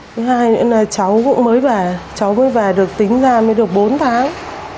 thứ hai nữa là cháu cũng mới về cháu mới về được tính ra mới được bốn tháng